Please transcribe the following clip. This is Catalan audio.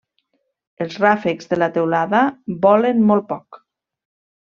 Els ràfecs de la teulada volen mot poc.